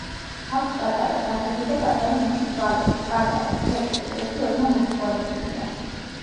აქვს პატარა თათები და პატარა მუქი თვალები, პატარა, სქელი, ყურები ოდნავ მომრგვალებულია.